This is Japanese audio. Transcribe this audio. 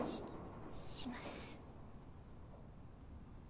します。